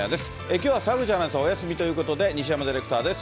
きょうは澤口アナウンサーはお休みということで、西山ディレクターです。